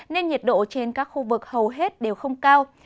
nên nhiệt độ trên các khu vực hầu hết đều không cao